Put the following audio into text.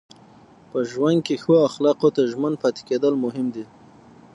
په ژوند کې ښو اخلاقو ته ژمن پاتې کېدل مهم دي.